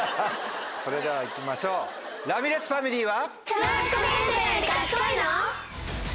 それでは行きましょうラミレスファミリーは。